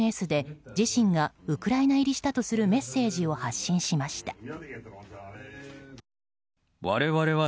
ＳＮＳで自身がウクライナ入りしたとするメッセージを発信しました。